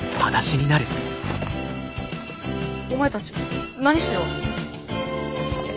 お前たち何してるわけ？